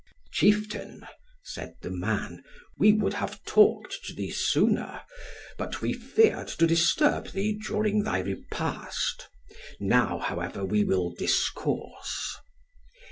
'Chieftain,' said the man, 'we would have talked to thee sooner, but we feared to disturb thee during thy repast. Now, however, we will discourse.'